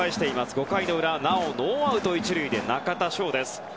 ５回の裏なおノーアウト１塁で中田翔です。